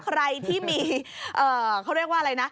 ใครที่มีเขาเรียกว่าอะไรนะ